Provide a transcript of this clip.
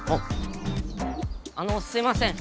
あのすいません。